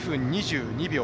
８分２２秒。